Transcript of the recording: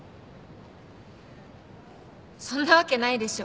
そんなわけないでしょ。